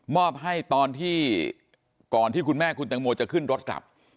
อบให้ตอนที่ก่อนที่คุณแม่คุณตังโมจะขึ้นรถกลับ